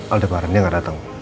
aldebarannya gak datang